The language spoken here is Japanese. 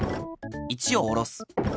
１をおろす。